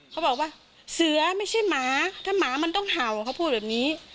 เขาบอกว่าเสือไม่ใช่หมาถ้าหมามันต้องเห่าเขาพูดแบบนี้